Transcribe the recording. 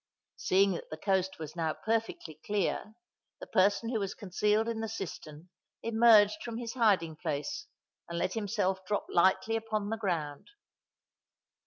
Seeing that the coast was now perfectly clear, the person who was concealed in the cistern emerged from his hiding place and let himself drop lightly upon the ground.